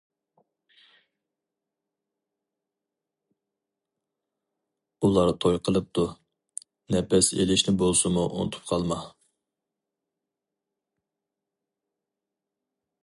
ئۇلار توي قىلىپتۇ؟ . نەپەس ئېلىشنى بولسىمۇ ئۇنتۇپ قالما!